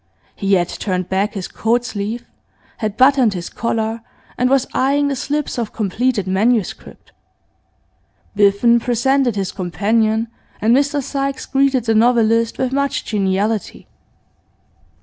He had turned back his coat sleeve, had buttoned his collar, and was eyeing the slips of completed manuscript. Biffen presented his companion, and Mr Sykes greeted the novelist with much geniality.